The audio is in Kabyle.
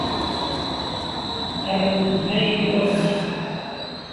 Rremt-d ma yili wamek.